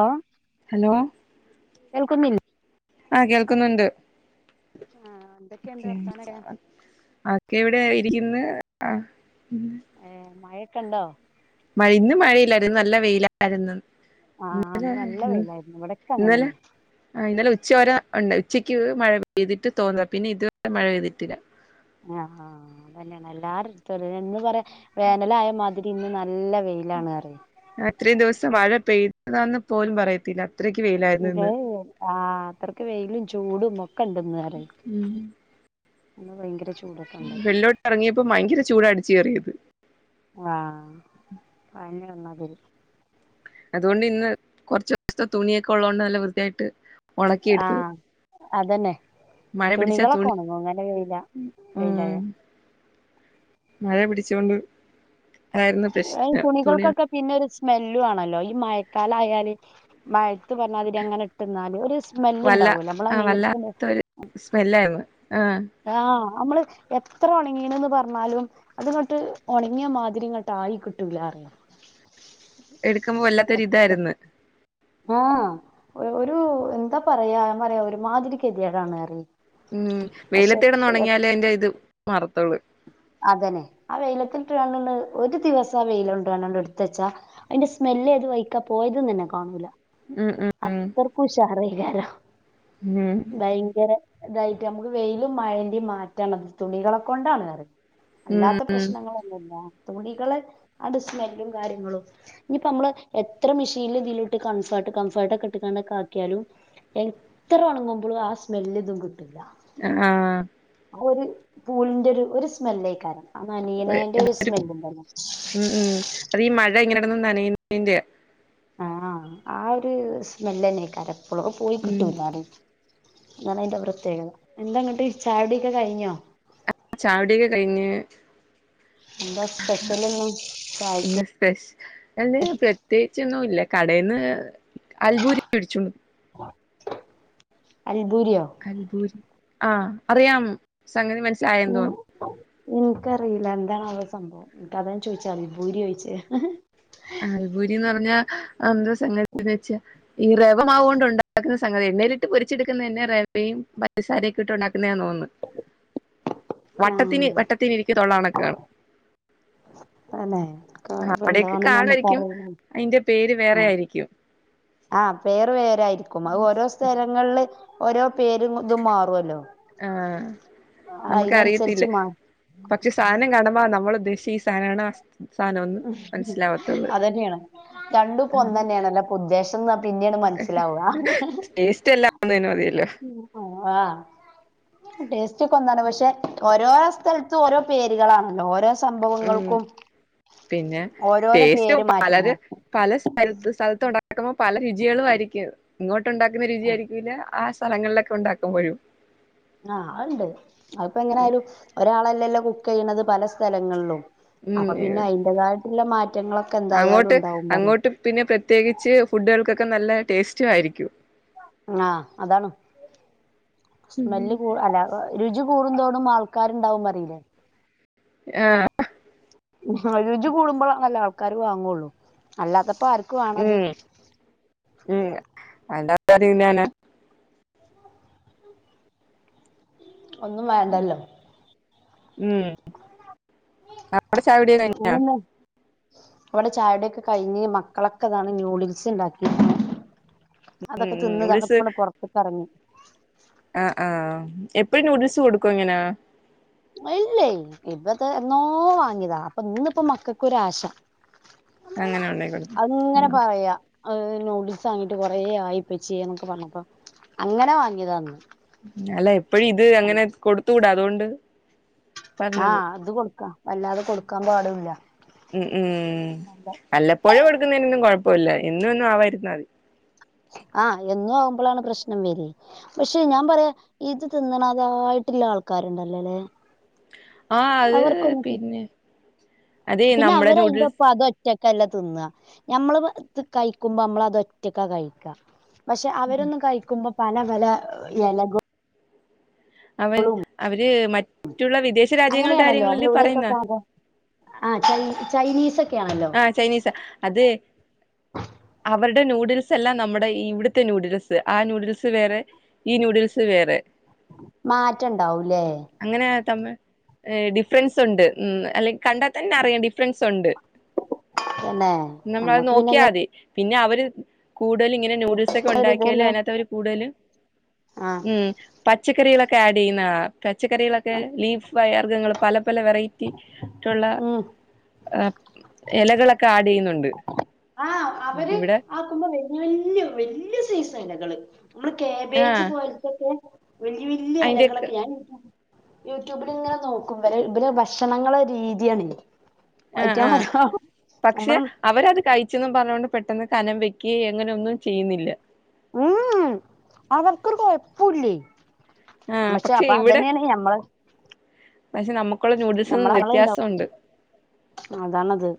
ആ ഹലോ കേൾക്കുന്നില്ലേ ആ കേൾക്കുന്നുണ്ട് ആഹ് എന്തൊക്കെയുണ്ട് ഓക്കേ വർത്താനൊക്കെ ആക്കെ എവിടെ ഇരിക്ക്ന്ന് ആ ആ ഏ മഴ ക്കണ്ടോ? മഴ ഇന്ന് മഴയില്ലായിരുന്നു ഇന്ന് നല്ല വെയിലായിര്ന്നു. ആഹ് ഇന്നലെ ഇന്ന് നല്ല വെയിലായിരുന്നു ഇവിടൊക്കെ അങ്ങനെ ഇന്നലെ തന്നെ ആ ഉച്ചോര ഉണ്ട ഉച്ചക്ക് മഴ പെയ്തിട്ട് തോന്നു പിന്നെ ഇത് വരെ മഴ പെയ്തിട്ടില്ല. ആ ആ അതെഞ്ഞേണ് എല്ലാരെട്ത്തും ഒരു ഇന്ന് പറ വേനലായ മാതിരി ഇന്ന് നല്ല വെയിലാണ് പറയും അത്രയും ദിവസം മഴ പെയ് താന്ന് പോലും പറയത്തില്ല അത്രയ്ക്ക് ഇ വെയിലായിരുന്നു ഇന്ന് ആ അത്രക്ക് വെയിലും ചൂടും ക്ക്ണ്ട്ന്നറീ ഇന്ന് ഭയങ്കര ചൂ വെള്ളിലോട്ട ഇറങ്ങിയപ്പോ ഭയങ്കര ചൂട് അടിച്ച് കയറിയത് ആ പനി വന്ന മാതിരി അതുകൊണ്ട് ഇന്ന് കുറച്ച് ദിവസത്തെ തുണിയൊക്കെ ഉള്ളതോണ്ട് നല്ല വൃത്തിയായിട്ട് ആ ഉണക്കിയെടുത്ത് അതഞ്ഞെ മഴ പിടിച്ചാ തുണികളൊക്കെ തുണി ഉണങ്ങും അങ്ങനെ വെയില് വെയിലായ ഉം മഴ പിടിച്ച് കൊണ്ട് ഈ തുണികൾക്കൊക്കെ പിന്നെ ഒരു സ്മെല്ലും ആണല്ലോ ഈ മഴക്കാല ആയാല് മഴത്ത് പറഞ്ഞാതിരി അങ്ങനെ ഇട്ടന്നാല് ഒരു സ്മെല്ല് വല്ല ഉണ്ടാവൂല്ലോ നമ്മള ആ നേരിട്ട് വല്ലാത്തൊരു സ്മെല്ലായിരുന്നു ആ ആഹ് നമ്മള് എത്ര ഉണങ്ങീണ്ന്ന് പറഞ്ഞാലും അത്ങ്ങ്ട്ട് ഉണങ്ങിയ മാതിരി ഇങ്ങ്ട്ട് ആയി കിട്ടൂല എടുക്കുമ്പോ വല്ലാത്തൊരി ഇതായിരുന്ന് ഒരു ഒരു എന്താ പറയാ പറയാ ഒരു മാതിരികെതിയാടാണ് പറി ഉം വെയിലത്ത് കെടന്ന് ഒണങ്ങിയാലെ അയ്ന്റെ ഇത് മാറത്തൊള്ള് അതന്നെ ആ വെയിലത്തിട്ട് ആണ്ന്ന്ണ്ട് ഒരു ദിവസം ആ വെയില് കൊണ്ട് ഇട്ത്തച്ചാ അയ്ന്റെ സ്മെല്ല് ഏത് വയ്ക്കാ പോയത് നന്നേ കാണൂല ഉം അത്രക്കും ഉഷാറയ്ക്കാരം ഉം ഉം ഭയങ്കര ഇതായിട്ട് നമുക്ക് വെയിലും മഴന്റിം മാറ്റണ് അത് തുണികളെ കൊണ്ടാണ് എറിം ഉം അല്ലാത്ത പ്രശ്നങ്ങളൊന്നുല്ല തുണികളെ ആണ്ട് സ്മെല്ലും കാര്യങ്ങളും ഇനിയിപ്പോ നമ്മള് എത്ര മെഷീൻലു ഇതിലുട്ട് കൺഫേർട്ട് കംഫർട്ടൊക്കെ ഇട്ട്ക്കാണ്ടൊക്കെ ആക്കിയാലും എത്ര ഉണങ്ങുമ്പളും ആ സ്മെല്ല് ഇതും കിട്ടൂല്ല ആ ഒരു പൂളിന്റെ ഒരു ഒരു സ്മെല്ലായി കാരണം ആ നനയാണേന്റെ ഒരു സ്മെല്ല് ഉണ്ടല്ലോ നനയണേന്റെയാ ആഹ് ആ ഒരു സ്മെല്ല്ന്നെ കരം എപ്പോള പോയി ഉം കിട്ടൂല്ല അത് അതാണ് അതിന്റെ പ്രത്യേകത എന്താങ്ങട്ട് ചായുടിയൊക്കെ കഴിഞ്ഞോ ആ ചായുടിയൊക്കെ കഴിഞ്ഞു എന്താ സ്പെഷ്യല് ഇന്ന് ചായ്ക്ക എന്തേല് പ്രത്യേകിച്ചൊന്നും ഇല്ല കടേന്ന് അൽഭൂരി മേടിച്ചു അൽ അൽഭൂരി ആഹ് അറിയാം സംഗതി മനസി ചായെന്തോന്ന് നക്കറിയില്ല എന്താണാവോ സംഭവം ഇക്ക് അതാ ഞാൻ ചോദിച്ചേ അൽഭൂരി കഴിച്ചേ അൽഭൂരിന്ന് പറഞ്ഞാ അത് എന്തോ സംഗതിന്ന് വെച്ചാ ഈ റവ മാവ്കൊണ്ടു ഉണ്ടാക്കുന്ന സംഗതിയാ എണ്ണയിലിട്ട് പൊരിച്ചെടുക്കുന്നതെന്നെ റവയും പഞ്ചസാരോക്കെ ഇട്ട് ഉണ്ടാക്കുന്നേ ആന്ന് തോന്നുന്നു വട്ടത്തിന് ആഹ് വട്ടത്തിന് ഇരിക്കതോള്ളാണ് ക്കർ തന്നെ [unintelligible] എന്താ കാണുമായിരിക്കും അയിന്റെ പേര് വേറെ [unintelligible] ആയിരിക്കും ആ പേർ വേരായിരിക്കും അത് ഓരോ സ്ഥലങ്ങളില് ഓരോ പേരും ഇതും മാറുല്ലോ ആ നമുക്ക് അറിയത്തില്ല അയിനനുസരിച്ച് മാറും പക്ഷെ സാധനം കാണുമ്പോ നമ്മള് ഉദ്ദേശി സാധനണ് ആ സാധനംന്ന് ഉം മനസ്സിലാവത്തുള്ളൂ അതന്നെയാണ് രണ്ടും ഇപ്പോ ഒന്നന്നെയണേല്ലെ ഉദ്ദേശ ന്നാത് ടേസ്റ്റ് എല്ലാംഒന്നേ മതിയല്ലോ ഉം ആഹ് ടേസ്റ്റ് ഒക്കെ ഒന്നാണ് പക്ഷെ ഓരോ സ്ഥലത്തും ഓരോ പേരുകളാണല്ലോ ഓരോ ഉം സംഭവങ്ങൾക്കും പിന്നെ ഓരോരോ ടേസ്റ്റും പേര് മാറ്റങ്ങൾ പലര് പല സ് സ്ഥലത്ത അക്കുമ്പോ പല രുചികളും ആയിരിക്കും ഇങ്ങോട്ട് ഉണ്ടാക്കുന്ന രുചിയായിരിക്കൂല ആ സ്ഥലങ്ങളിലൊക്കെ ഉണ്ടാക്കുമ്പോഴും ആ അണ്ട് അത്പ്പ എങ്ങനൊയാലും ഒരാളല്ലല്ലോ കുക്ക് ചെയ്യുന്നത് പലസ്- സ്ഥലങ്ങളിലും അപ്പൊ ഉം പിന്നെ അതിന്റെതായിട്ടുള്ള മാറ്റങ്ങളൊക്കെ എന്തായാലും അങ്ങോട്ട് ഉണ്ടാവും പറയും ഒക്കെ നല്ല ടേസ്റ്റും ആയിരിക്കും സ്മെല് കൂ അല രുചി കൂടുന്തോണും ആൾക്കാരുണ്ടാവും പറയില്ലേ ആ രുചി കൂടുമ്പോൾ നല്ല ആൾക്കാര് വാങ്ങുള്ളൂ അല്ലാത്ത ഇപ്പൊ ആർക്ക് വേണത് വേണ്ടാത്ത ആര് തിന്നാന ഒന്നും വേണ്ടല്ലോ ഉം അവിടെ ചായ കുടിയൊക്കെ കഴിഞ്ഞോ അങ്ങനൊന്നും അവിടെ ചായുടിയൊക്കെ കഴിഞ്ഞ് മക്കളൊക്കെ അതാണ് നുഡിൽസ് ഉണ്ടാക്കിക്കണ് ഉം അതൊക്കെ ഉം തിന്ന് താണ്ട് പ്പള് പുറത്തക്ക് ഇറങ്ങി ആ ആ എപ്പഴും നൂഡിൽസ് കൊടുക്കുവോ ഇങ്ങനെ ഇല്ലേ ഇപ്പത്തെ എന്നോ വാങ്ങിയതാ അപ്പൊ ഇന്ന്പ്പ മക്കൾക്കൊരാശ അങ്ങനെ ഉണ്ടായി കൊടുക്ക അതിങ്ങനെ മ് പറയാ നൂഡിൽസ് വാങ്ങിട്ട് കുറേ ആയിപ്പച്യേ എന്നൊക്കെ പറഞ്ഞപ്പ അങ്ങനെ വാങ്ങിയതാന്ന് അല്ല എപ്പഴും ഇത് അങ്ങനെ കൊടുത്തുകൂടാ അതുകൊണ്ട് പറഞ്ഞത് ആ അത് കൊടുക്ക വല്ലാതെ കൊടുക്ക ടുക്കാൻ പാടുല്ല ഉം ഉം ഉ വല്ല പോഴും കൊടുക്കുന്നതിന് ഒന്നും കൊഴപ്പവില്ല എന്നും എന്നും ആവാതിരുന്നതി ആ എന്നും ആവുമ്പോളാണ് പ്രശ്നം വരി പക്ഷെ ഞാൻ പറയാ ഇത് തിന്നണതായിട്ടുള്ള ആൾക്കാരുണ്ടല്ലേല്ലെ ആ അത് പിന്നെ അതെ പിന്നെ നമ്മുടെ അവര് നൂഡിൽസ് അയ്ന്റോപ്പം അതും ഒറ്റക്ക് കല്ലത്ത്ന്നാ ഞമ്മള് ബെ ഇത് കയ്ക്കുമ്പോ നമ്മളത് ഒറ്റക്ക കയ്ക്ക പക്ഷെ അവരൊന്നും കഴിക്കുമ്പോ പല പല എലകളും അവൻ അവര് ര് മറ്റുള്ള വിദേശ രാജ്യങ്ങളുടെ കാര്യങ്ങളില് പറയുന്ന ആഹ് ചയ്നി ചൈനീസൊക്കെ ആഹ് ചൈനീസ അത് അവർ ടെ നൂഡിൽസഅല്ല നമ്മടെ ഈ ഇവിടുത്തെ നൂഡിൽസ് ആ നൂഡിൽസ് വേറെ ഈ നൂഡിൽസ് വേറെ മാറ്റണ്ടാവൂല്ലേ തമ്മ് ഏ ഡിഫ്രെൻസുണ്ട് മ് അല്ലെങ്ക- കണ്ടാൽ തന്നെ അറിയാം ഡിഫ്രെൻസുണ്ട് തന്നെ നമ്മളത് ഞമ്മക്ക് പിന്നെ ഇങ്ങനെ നോക്കിയാതി പിന്നെ അവര് കൂടുതല് ഇങ്ങനെ നൂടിൽസ് രസൊക്കെ ഒരു ഉണ്ടാക്കിയാല് ഇതല്ലോ അയ്നകത്ത് അവര് കൂടുതല് ആ മ് പച്ചറികളൊക്കെ ക്കെആടെയ്യുന്ന തച്ചക്കറികളൊക്കെ ലീഫ് പയർ വർഗങ്ങൾ പല പല വെറൈറ്റി റ്റുള്ള ഉം അഹ് എലകളൊക്കെ ആടെയ്യുന്നുണ്ട് ആഹ അവര് ആകുമ്മ വല്ല്യാ വല്ല്യ സൈസ് എലകള് നമ്മള് കേബേജ് ആഹ് പോല്തൊക്കെ വല്യ വല്ല്യെ അയിന്റെക്കെ എലകളൊക്കെ ഞാൻ യൂട്യൂബ് ല്ങ്ങനെ നോക്കും ഇവര് ഇവരെ ഭക്ഷണങ്ങളൊരു രീത്യാണെ ആ ആ പക്ഷെ നമ്മളും അവരത് കൈ ച്ച്ന്നും പറഞ്ഞോണ്ട് പെട്ടെന്ന് കനം വെക്കേ അങ്ങനൊന്നും ചെയ്യുന്നില്ല ഉം മ് അവർക്കൊറു കൊയപ്പൂല്ലേ ആഹ് പക്ഷെ അപ്പൊ ഇവിടെ അതന്നെയാണ് ഞമ്മള് പക്ഷെ നമുക്കുള്ള നൂഡിൽസിന് നമ്മളള ഇണ്ടാവ വ്യത്യാസമുണ്ട് അതാണത്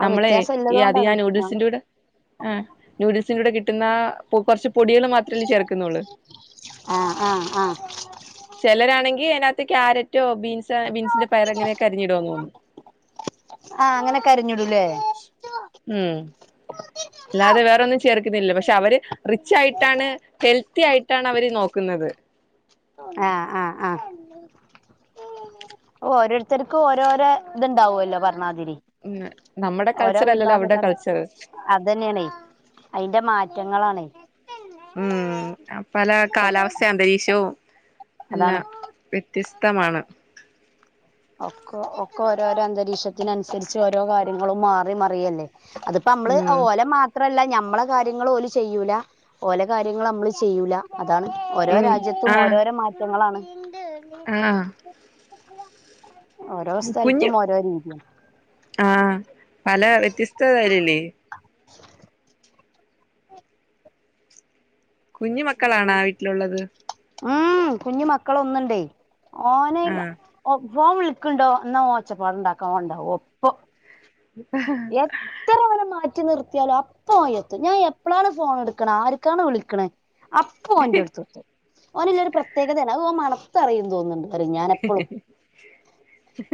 ആ നമ്മളെ വ്യത്യാസം ഈ ഇല്ലത് അത് കൊണ്ടാണ് ഞാൻ നൂഡിൽസിന്റെ കൂടെ ആ് നൂഡിൽസിന്റെ കൂടെ കിട്ട കിട്ടുന്ന കൊർച് പൊടികളും മാത്രല്ലേ ചേർക്ക്ന്നൊള്ള് ആ ആഹ് ആഹ് ആഹ് ചെലരാണെ നീ അയ്‌നാത്ത് ക്യാരറ്റോ ബീൻസ് ബീൻസിന്റെ പയർഅങ്ങനൊക്കെ അരിഞ്ഞിടോന്ന് ആഹ് അങ്ങനെ അരിഞ്ഞിടുംമില്ലേ ഉം അല്ലാതെ വേറൊന്നും ചേർക്കുന്നില്ല പക്ഷെ അവര് റിച്ച് ആയിട്ടാണ് ഹെൽത്തി ആയിട്ടാണ് അവര് നോക്കുന്നത്. ആഹ ആ് ആഹ ഓരോരുത്തർക്കും ഓരോരോ ഇത്ണ്ടാവുമല്ലോ പറഞ്ഞാ ഉം നമ്മുടെ ഓരോ കൾച്ചർ അല്ലല്ലോ വിഭാഗക്ക അവരുടെ കൾച്ചർ അത് തന്നെയണ അതിന്റെ മാറ്റങ്ങളാണെ ഉം അ പല കാലാവസ്ഥ അന്തരീക്ഷവും അല്ല അതാണ് വ്യത്യസ്തമാണ് ഒക്ക ഒക്കെ ഓരോരോ അന്തവിശ്വാ വിശ്വത്തിനനുസരിച്ച് ഓരോ കാര്യങ്ങളും മാറി മറിയല്ലേ അതിപ്പോ നമ്മള് ഉം ഓലെ മാത്രല്ല നമ്മളെ കാര്യങ്ങൾ ഓല ചെയ്യൂല ഓലെ കാര്യങ്ങും നമ്മള് ചെയ്യൂല അതാണ് ഓരോ ഉം രാജ്യത്തും ആഹ് ഓരോരോ മാറ്റങ്ങളാണ് ആഹ് ഓരോ കുഞ്ഞു സ്ഥലത്തും ഓരോ രീതി ആഹ് പല വ്യത്യസ്തതല്ലല്ലേ [inaudible] കുഞ്ഞു മക്കളാണാ വീട്ടിലുള്ളത് ഉം കുഞ്ഞു മക്കള ഒന്നുണ്ടേ ഓനെ- ആഹ് ഫോൺ വിളിക്കണ്ടോ എന്നാ ഓച്ചപ്പാടണ്ടാക്കാ വണ്ട ഒപ്പ എത്ര വരെ മാ റ്റി നിർത്തിയാലോ അപ്പൊ ഓൻ എത്തും ഞാൻ എപ്പളാണ് ഫോണ് എടുക്ക്ണ് ആർക്കാണ് വിളിക്ക്ണ് അപ്പൊ ഓൻന്റടുത്തെത്തും ഓന്ല്ലൊരു പ്രത്യേകതയാണ് അത് ഓൻ മണത്ത് പറയും തോന്നുന്നുണ്ട് പറിം ഞാനെപ്പളും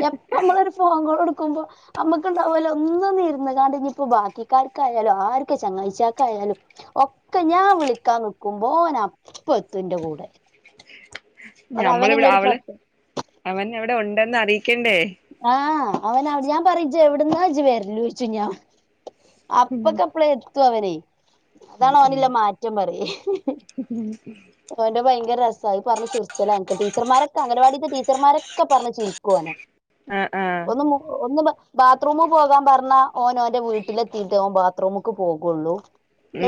എപ്പ നമ്മളൊരു ഫോൺ കോൾ എടു ക്കുമ്പോ നമ്മക്കുണ്ടാവല്ലോ ഒന്ന് ഇന്ന് ഇര്ന്ന്ക്കാണ്ട് ഇഞ്ഞി ഇപ്പോ ബാക്കിക്കാർക്കായാലും ആര്ക്ക് ചങ്ങായ്ച്ചിയാൾക്കായാലും ഒക്കെ ഞാൻ വിളിക്കാൻ നിക്കുമ്പോ ഓൻ അപ്പത്തുംന്റെ കൂടെ. അത് ഞമ്മളിവിടെ അവനില്ലൊരു അവള് പ്രത്യേക അവൻ ഇവിടെ ഉണ്ടെന്ന് അറിയി ആഹ അവനവ് ഞാൻ പറിം ജ്ജെവ്ട്ന്നാജ്ജ് വര്ല്ലോച്ചു ഞാ അപ്പക്കപ്പ്ളെ ത്തു അവനെ ഉം അതാണ് ഉം ഓനില്ല മാറ്റം പറയെ ഓന്റെ ഭയ് ങ്കര രസായി പറഞ്ഞു ചിരിച്ചല ഞങ്ങക്ക്. ടീച്ചർമാരൊക്കെ അംഗനവാടിത്തെ ടീച്ചർമാർ ഒക്കെ പറഞ്ഞു ചിർ കോനെ ആഹ് ആഹ് ഒന്ന് മു ഒന്നു വാ ബാത്റൂമ് പോകാൻ പറഞ്ഞാ ഓൻ ഓന്റെ വീട്ടിലെത്തിയിട്ടെ ഓൻ ബാ ബാത്റൂമക്ക് പോകുള്ളൂ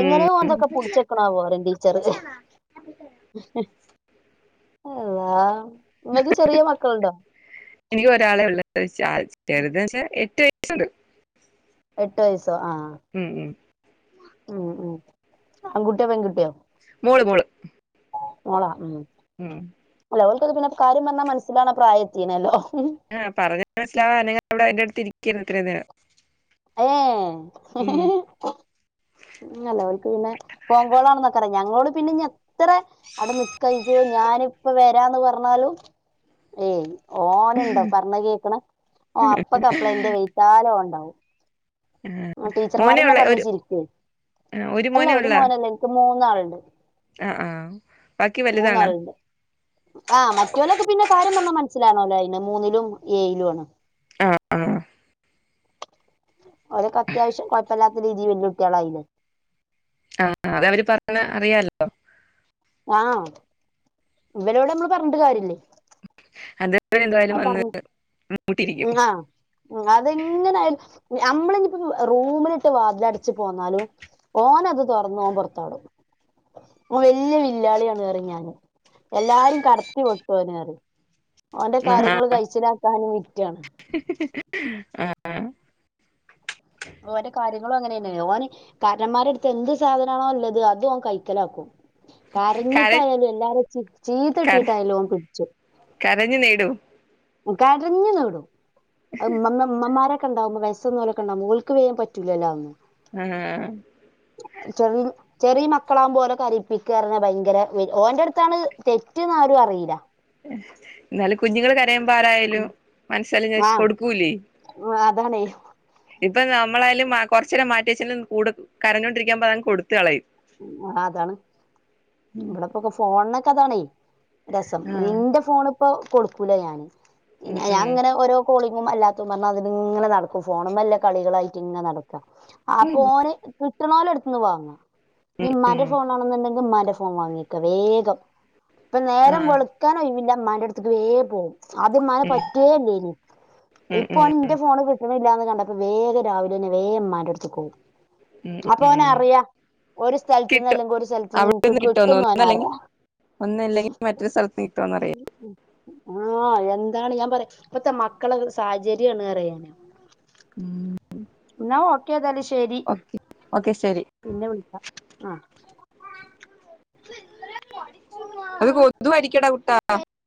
എങ്ങനെ ഓന് ഇതൊക്കെ പിടിച്ചു നിൽക്കണേ ആവോ ടീച്ചർ അള്ളാ നിങ്ങക്ക് ചെറിയ മക്കളുണ്ടോ എനിക്ക് ഒരാളെ ഒള്ളൂ ഗയ്സ് [inaudible] ണ്ട് എട്ട് വയസ്സ് ച്ചോ ആഹ് ഉം ഉം ആൺകുട്ടിയോ പെൺകുട്ടിയോ മോള് മോള് മോളാ, ഉം [unintelligible] ഓലക്കു പിന്നെ കാര്യം പറഞാ മനസ്സിലാണ പ്രായം എത്തിനല്ലോ. ആഹ് പറഞ്ഞ മന [unintelligible] സ്സിലാ അവിടെ എ [unintelligible] ൻറഅടുത്തിരിക്ക. ക്കേര്ന്നു ഇത്രേനേരം. ഏയ് ഇല്ലല്ല ഓൽക്ക് പിന്നെ ഫോൺ കോളാണെന്നൊക്കറിയാ ഞങ്ങളോട് പിന്നെ ഞ - എത്ര അവിടെ നിക്കുവാ ഇതു ഞാൻ. ഇപ്പ വരാന്ന് പറഞ്ഞാലും ഏയ്. ഓനുണ്ടോ പറഞാ കേക്ണ് ഓ അപ്പ കപ്പള എന്റെ വെയ്ത്താല് ഓം ണ്ടാവും. ടീച്ചറുമാര് മോനെ തന്നെ ഉള്ള പറഞ് ഒരു ചിരിക്കുവ ആ, അല്ല മോനെ ഒരു ഉള്ള മോനല്ല എനിക്ക് മൂന്നാളുണ്ട് ആ ആ ബാക്കി വലുതാണ് മൂന്നാളുണ്ട് ആഹ് മറ്റൊരൊക്കെ പിന്നെ- [unintelligible] മനസ്സിലാണല്ലോ അയ്ന് മൂന്നിലും ഏഴിലുംആണ്. ആ ആ. ഓലൊക്കെ അത്യാവശ്യം കൊഴപ്പല്ലാത്ത രീതില് വല്ലിയ കുട്ടികളായില്ലേ ആഹ് ആഹ് അത് അവര് പറഞ്ഞത് അറിയാലോ. ആഹ്. ഇവരോട് നമ്മള് പറഞ്ഞിട്ട് കാര്യമില്ലേ അത്- ആഹ് പറഞ്ഞ ആ അതെങ്ങനൊയാലും. നമ്മള് ഇനിയിപ്പോ റൂമിലിട്ട് വാതില് അടച്ച് പോന്നാലും ഓനന് അത് തൊറന്ന് ഓൻ പൊറത്ത് വരും വല്യ വില്ലാളിയാണ് പറയും ഞാന് എല്ലാരും കടത്തിവെട്ടും എന്ന് പറയും ഓന്റെ ആഹ കാര്യങ്ങൾ കഴിച്ചിലാക്കാനും വിറ്റാണ് [unintelligible] ആഹ് ഓന്റെ കാര്യങ്ങളും അങ്ങനെ തന്നെയ ഓന്റെ കാര്യങ്ങളും അങ്ങനെന്നാണ് ഓന് കാര്ണന്മാരട്ത്ത് എന്ത് സാധനാണോ ല്ലത് അതോ കൈക്കലാക്കും കര കരഞ്ഞിട്ടായാലും എല്ലാരെച്ചി കര ചീത്തട്ടിട്ടായലും ഓൻ പിട്ച്ചു കരഞ്ഞു നേടൂ കരഞ്ഞു നേടും അഹ് ഇമ്മമ്മ മ്മമാരെ കണ്ടാവുമ്പം വയസൊന്നോലൊക്കെണ്ടാവുമ്പം ഓൽക്ക് വേം പറ്റൂലല്ലോ അഹൊന്നും ആഹ് ചെറി ചെറ്യേ മക്കളാവുമ്പോ ഓലെ കരയിപ്പിക്കാർഞ്ഞ ഭയ്ങ്കര ഓന്റെടുത്താണ് തെറ്റെന്ന് ആരു അറീല്ല ന്നാലും കുഞ്ഞുങ്ങള് കര എമ്പാരായാലും ആഹ് അതാണേ ഇപ്പം നമ്മളായാലും മാ കൊർച്ചേരം മാറ്റിവെച്ചുംകൂടും കരഞ്ഞോ ണ്ടിരികുമ്പം അങ്ങെ കൊടുക്കും ആ അതാണ് ഉം. ഇവിടക്കൊക്കെ ഫോണ്ന് അതാണേ രസം ആ നിന്റെ ഫോണ് ഇപ്പൊ കൊടുക്കൂല ഞാന് ഉം ആ ഉം ഞാനിങ്ങനെ ഓരോ കോളി ങ്ങും അല്ലാത്തുംപറഞ്ഞതിനിങ്ങനെ നടക്കും ഫോണുമ്മേലുള്ള കളികളായിട്ടിങ്ങനെ നട ക്കും അപ്പോ ഉം ഓണ് പു [unintelligible] എടുത്തെന്ന് വാങ്ങ ഉം നിമ്മാന്റെ ഉം ഫോണാണന്നെണ്ടെങ്കിൽ മന ഫോൺ വാങ്ങിക്ക വേഗം ഇപ്പം ആ നേരം വൾക്കാനോയ് വ്ല്ല മ്മാന്റട്ത്ത്ക്ക് വേം പോവും ആദ്യം ഇമ്മാനെ ഉം പറ്റേല്ലേനി ഉം ഇപ്പോ ഉം ഓന് ഇന്റെ ഫോണ് ക്ട്ട്ല്ലാന്ന് കണ്ടപ്പം വേഗം രാവിലെന്നെ വേം ഇമ്മാന്റട്ത്ത്ക്ക് ഓവും ഉം അപ്പോ ഉം അവനറിയാം ഒരു സ്ഥലത്ത് നിന്ന് കിട്ടും അല്ലെങ്കിൽ ഒരു സ്ഥലത്ത് നിന്ന് അവനിക്ക് അവിടെന്ന് കിട്ടുമെന്ന് കിട്ടൂന്ന് ഒന്നല്ലെങ്കിൽ അവനറിയാം ഒന്നല്ലെങ്കിൽ മറ്റൊരു സ്ഥലത്ത് കിട്ടുമോന്നറിയാം ആ എന്താണ് ഞാൻ പറയാ ഇപ്പത്തെ മക്കളെ സാഹചര്യമാണെന്ന് പറയുവാ ഞാന് ഉം എന്നാ ഓക്കെ ഏതായാലും ശരി ഓക്കെ ഓക്കെ ശരി പിന്നെ വിളിക്കാം ആഹ് അത് കൊതുവാരിക്കൂടാ കുട്ടാ